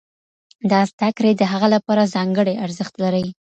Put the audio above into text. دا زده کړې د هغه لپاره ځانګړی ارزښت لري.